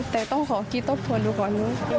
แต่ต้องขอคิดทบทวนดูก่อน